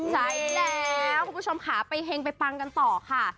ใช่แล้วคุณผู้ชมค่ะไปเฮงไปปังกันต่อค่ะ